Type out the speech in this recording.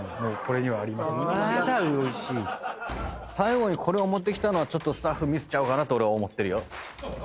最後にこれ持ってきたのはスタッフミスちゃうかなと俺は思ってる。